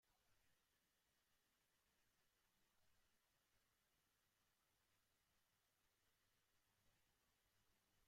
Además, ha jugador en diversos clubes de Brasil, Francia y Japón.